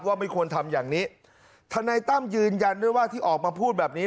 ไม่ควรทำอย่างนี้ทนายตั้มยืนยันด้วยว่าที่ออกมาพูดแบบนี้